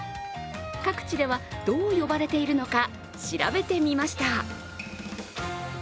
各地では、どう呼ばれているのか調べてみました。